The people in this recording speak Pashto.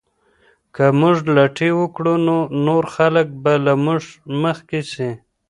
که موږ لټي وکړو نو نور خلګ به له موږ مخکې سي.